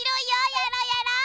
やろうやろう！